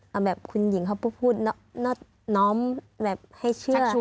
เอาแบบคุณหญิงเขาพูดน้อมแบบให้เชื่อชู